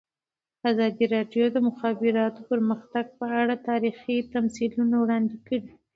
ازادي راډیو د د مخابراتو پرمختګ په اړه تاریخي تمثیلونه وړاندې کړي.